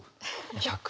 １００。